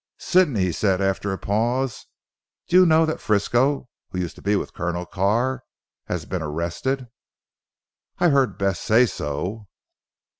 "Sidney," he said after a pause, "do you know that Frisco, who used to be with Colonel Carr, has been arrested?" "I heard Bess say so."